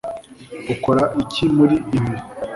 Ukora iki muri ibi